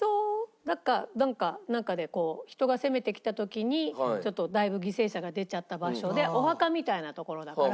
だかなんかでこう人が攻めてきた時にちょっとだいぶ犠牲者が出ちゃった場所でお墓みたいな所だから。